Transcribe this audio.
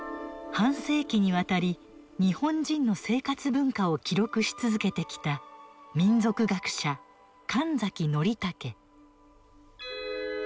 半世紀にわたり日本人の生活文化を記録し続けてきた民俗学者・神崎宣武。